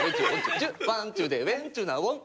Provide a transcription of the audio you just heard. ワンチュ！！でウェンチュッ！！なウォン。